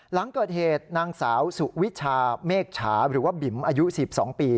หลังเกิดเหตุนางสาวสุวิชาเมฆฉาหรือว่าบิ๋มอายุ๑๒ปี